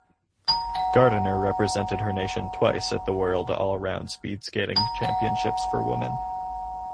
Gardiner represented her nation twice at the World Allround Speed Skating Championships for Women.